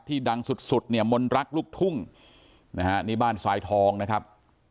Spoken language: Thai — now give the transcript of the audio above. ดังสุดสุดเนี่ยมนต์รักลูกทุ่งนะฮะนี่บ้านทรายทองนะครับ